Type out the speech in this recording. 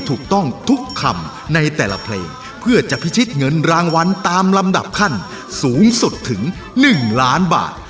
ถูกต้องทุกคำในแต่ละเพลงเพื่อจะพิชิตเงินรางวัลตามลำดับขั้นสูงสุดถึง๑ล้านบาท